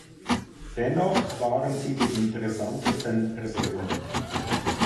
Dennoch waren sie die interessantesten Personen.